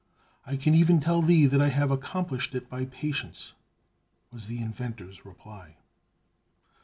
"I can even tell thee that I have accomplished it by patience," was the inventor's reply.